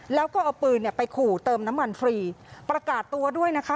แล้วก็เอาปืนเนี่ยไปขู่เติมน้ำมันฟรีประกาศตัวด้วยนะคะ